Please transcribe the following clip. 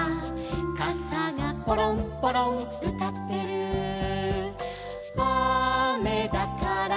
「かさがポロンポロンうたってる」「あめだから」